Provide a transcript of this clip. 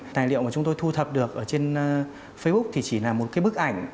tài liệu mà chúng tôi thu thập được trên facebook thì chỉ là một bức ảnh